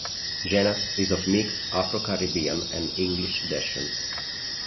Jenas is of mixed Afro-Caribbean and English descent.